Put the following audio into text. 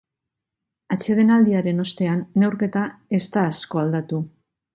Atsedenaldiaren ostean, neurketa ez da asko aldatu.